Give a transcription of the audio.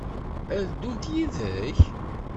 Ad d-ddunt yid-k?